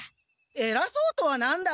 えらそうとは何だ！